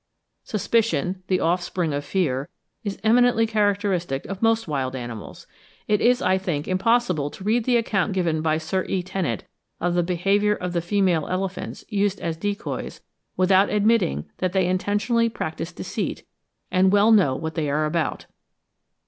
Suspicion, the offspring of fear, is eminently characteristic of most wild animals. It is, I think, impossible to read the account given by Sir E. Tennent, of the behaviour of the female elephants, used as decoys, without admitting that they intentionally practise deceit, and well know what they are about.